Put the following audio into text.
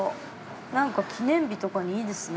なんか記念日とかにいいですね。